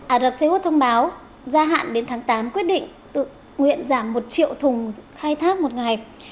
ả rập xê út thông báo gia hạn đến tháng tám quyết định tự nguyện giảm một triệu thùng khai thác một ngày